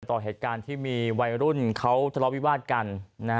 ต่อเหตุการณ์ที่มีวัยรุ่นเขาทะเลาวิวาสกัน